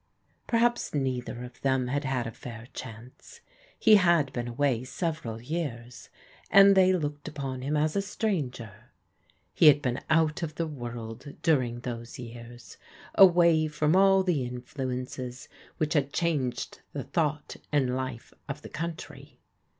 Perhaps neither of them had had a fair chance. He had been away several years, and they looked upon him as a stranger. He had been out of the world during those years, away from all the influences which had changed the thought and life of the country.